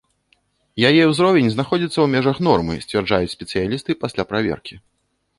Яе ўзровень знаходзіцца ў межах нормы, сцвярджаюць спецыялісты пасля праверкі.